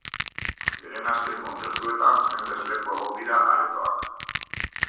Beren azken kontzertuetan jendez lepo egon dira aretoak.